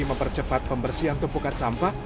mempercepat pembersihan tumpukan sampah